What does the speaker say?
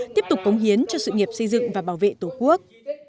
tiếp tục cống hiến cho sự nghiệp xây dựng và bảo vệ tổ quốc